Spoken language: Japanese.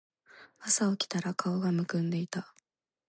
朝起きたら顔浮腫んでいた